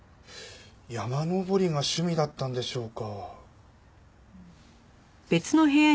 山登りが趣味だったんでしょうか？